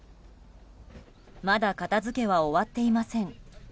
まだ片付けは終わっていません。